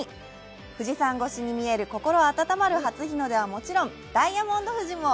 富士山越しに見える心温まる初日の出はもちろんダイヤモンド富士も。